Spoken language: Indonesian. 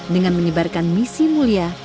dengan menyebarkan misi mulia